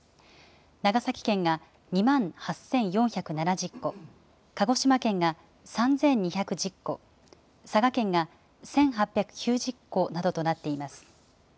長崎県が２万８４７０戸、鹿児島県が３２１０戸、佐賀県が１８９０戸などとなっています。